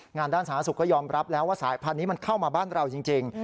งานด้านศาลนักศึกษ์ก็ยอมรับแล้วว่าสายพันธุ์นี้เข้ามาบ้านเราจริง